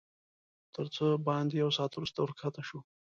تر څه باندې یو ساعت وروسته ورښکته شوو.